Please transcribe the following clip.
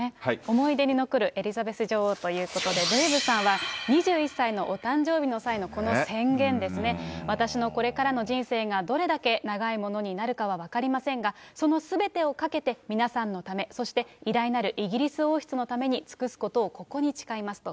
思い出に残るエリザベス女王ということで、デーブさんは、２１歳のお誕生日の際のこの宣言ですね、私のこれからの人生がどれだけ長いものになるかは分かりませんが、そのすべてをかけて、皆さんのため、そして偉大なるイギリス王室のために尽くすことをここに誓いますと。